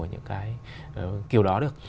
ở những cái kiểu đó được